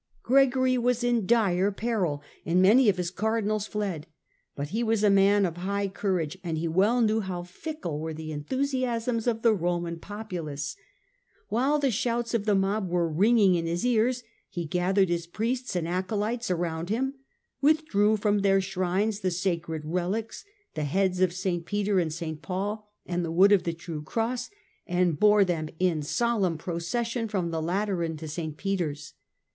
Gregory was in dire peril and many of his Cardinals fled. But he was a man of high courage, and he well knew how fickle were the enthusiasms of the Roman populace. While the shouts of the mob were ringing in his ears he gathered his priests and acolytes around him, withdrew from their shrines the sacred relics, the heads of St. Peter and St. Paul and the wood of the True Cross, and bore them in solemn procession from the Lateran to St. Peter's.